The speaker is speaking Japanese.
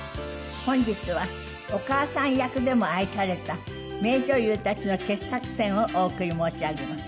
本日はお母さん役でも愛された名女優たちの傑作選をお送り申し上げます。